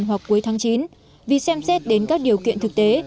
hoặc cuối tháng chín vì xem xét đến các điều kiện thực tế